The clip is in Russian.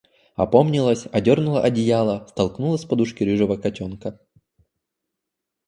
Опомнилась, одернула одеяло, столкнула с подушки рыжего котенка.